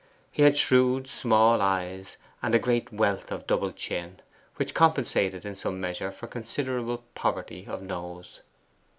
He had shrewd small eyes and a great wealth of double chin, which compensated in some measure for considerable poverty of nose.